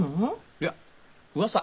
いやうわさ。